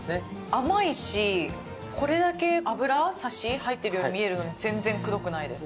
甘いし、これだけ脂、サシ入ってるように見えるのに全然くどくないです。